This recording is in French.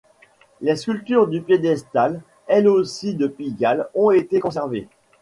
Les sculptures du piédestal, elles aussi de Pigalle, ont été conservées.